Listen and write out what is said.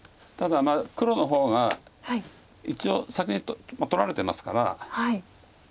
ただ黒の方が一応先に取られてますから。